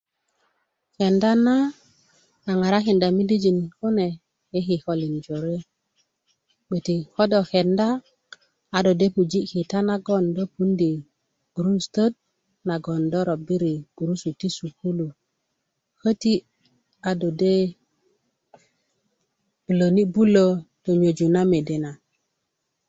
kenda na a ŋarakinda midijik kune i kikölin jöre bgeti ko do kenda a do de puji kita nagon do puundi gurusutot nagon do robiri ŋojik ti sukulu köti a do de bulöne bulö tunyöju na mede na